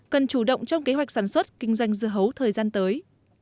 cần chủ động trong kế hoạch sản xuất kinh doanh dưa hấu thời gian tới